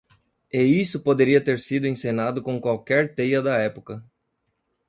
E isso poderia ter sido encenado com qualquer teia da época.